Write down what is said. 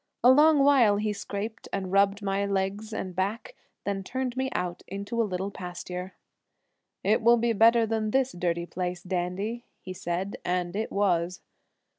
A long while he scraped and rubbed my legs and back, then turned me out into a little pasture. "It will be better than this dirty place, Dandy," he said, and it was.